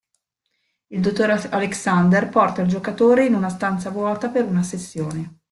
Il Dr. Alexander porta il giocatore in una stanza vuota per una sessione.